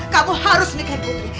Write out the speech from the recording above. kamu harus nikahin putri